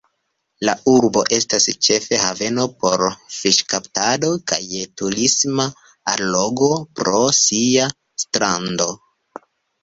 La urbo estas ĉefe haveno por fiŝkaptado kaj turisma allogo pro sia strando.